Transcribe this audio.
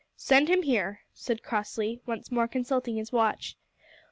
"Send him here," said Crossley, once more consulting his watch.